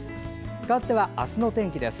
かわって、明日の天気です。